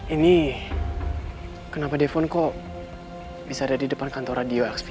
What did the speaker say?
ini kenapa dphone kok bisa ada di depan kantor radio xp